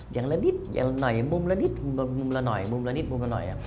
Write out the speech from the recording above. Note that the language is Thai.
อย่างละนิดอย่างหน่อยมุมละนิดมุมละหน่อยมุมละนิดมุมละหน่อย